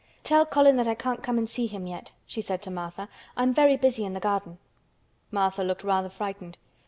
"Tell Colin that I can't come and see him yet," she said to Martha. "I'm very busy in the garden." Martha looked rather frightened.